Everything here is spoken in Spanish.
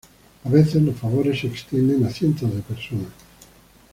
A veces, los favores se extienden a cientos de personas.